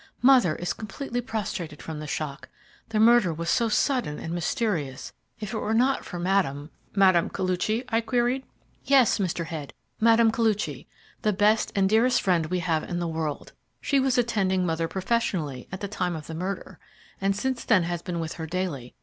"Mother is completely prostrated from the shock. The murder was so sudden and mysterious. If it were not for Mme. " "Mme. Koluchy?" I queried. "Yes, Mr. Head; Mme. Koluchy, the best and dearest friend we have in the world. She was attending mother professionally at the time of the murder, and since then has been with her daily.